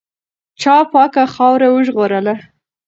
چا پاکه خاوره وژغورله؟